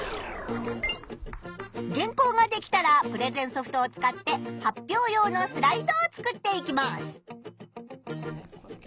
原稿ができたらプレゼンソフトを使って発表用のスライドを作っていきます。